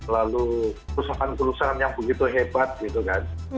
lalu perusahaan perusahaan yang begitu hebat gitu kan